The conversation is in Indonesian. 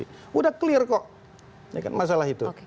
sudah clear kok masalah itu